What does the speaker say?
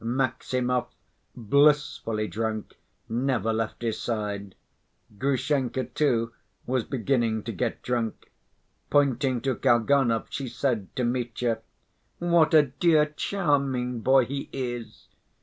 Maximov, blissfully drunk, never left his side. Grushenka, too, was beginning to get drunk. Pointing to Kalganov, she said to Mitya: "What a dear, charming boy he is!"